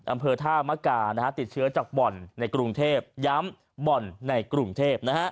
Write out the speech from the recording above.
อำเภอท่ามกาติดเชื้อจากบ่อนในกรุงเทพย้ำบ่อนในกรุงเทพ